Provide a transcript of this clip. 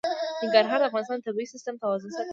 ننګرهار د افغانستان د طبعي سیسټم توازن ساتي.